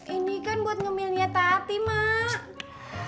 ini kan buat ngemilnya tati mak